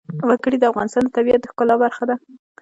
وګړي د افغانستان د طبیعت د ښکلا برخه ده.